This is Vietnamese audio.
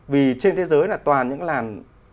vì trên thế giới là toàn những làn